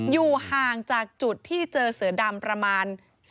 อยู่ห่างจากจุดที่เจอเสือดำประมาณ